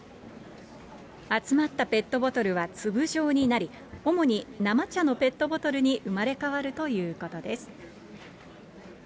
集まったペットボトルは粒状になり、主に生茶のペットボトルに生まれ変わるということです。